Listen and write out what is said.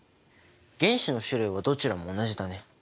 原子の種類はどちらも同じだね。